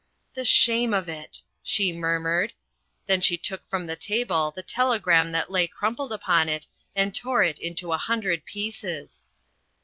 'The shame of it,' she murmured. Then she took from the table the telegram that lay crumpled upon it and tore it into a hundred pieces.